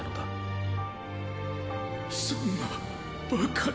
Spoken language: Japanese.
そんなバカな。